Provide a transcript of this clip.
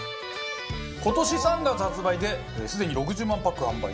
今年３月発売ですでに６０万パック販売。